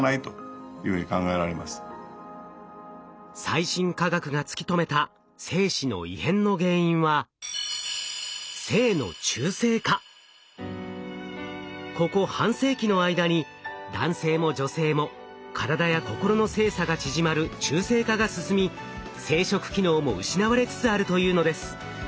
最新科学が突き止めた精子の異変の原因はここ半世紀の間に男性も女性も体や心の性差が縮まる中性化が進み生殖機能も失われつつあるというのです。